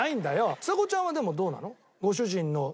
ちさ子ちゃんはでもどうなの？